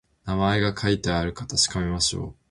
名前が書いてあるか確かめましょう